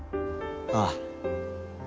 ああ。